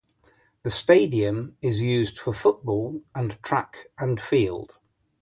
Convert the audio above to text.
The stadium is used for football and track and field.